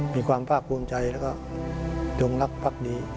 มีความภาคภูมิใจแล้วก็จงรักภักดี